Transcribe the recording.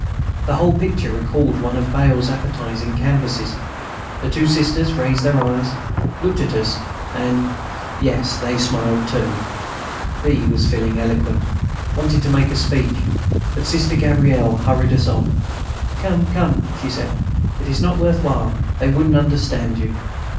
The whole picture recalled one of Bail's appetising canvases. The two Sisters raised their eyes, looked at us and yes, they smiled too. B., feeling eloquent, wanted to make a speech; but Sister Gabrielle hurried us on: "Come, come," she said. "It is not worth while; they wouldn't understand you."